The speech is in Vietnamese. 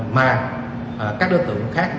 mà các đối tượng khác